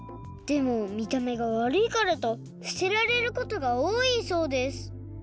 でもみためがわるいからとすてられることがおおいそうです。